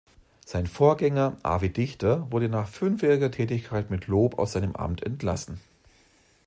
Sein Vorgänger, Avi Dichter, wurde nach fünfjähriger Tätigkeit mit Lob aus seinem Amt entlassen.